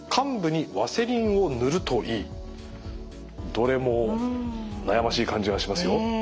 どれも悩ましい感じがしますよ。